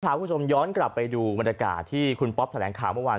พาคุณผู้ชมย้อนกลับไปดูบรรยากาศที่คุณป๊อปแถลงข่าวเมื่อวาน